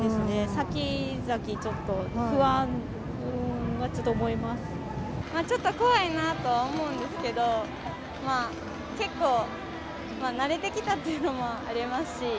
先々、ちょっと怖いなとは思うんですけど、まあ、結構慣れてきたっていうのもありますし。